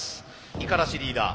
五十嵐リーダー